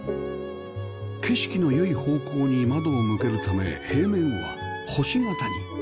景色の良い方向に窓を向けるため平面は星形に